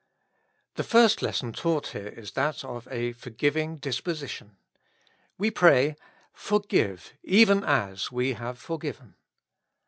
The first lesson taught here is that of a forgiving disposition. We pray, "Forgive, even as we have forgiven."